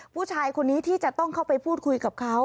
ผู้ชายคนนี้ที่จะต้องเข้าไปพูดคุยกับเขา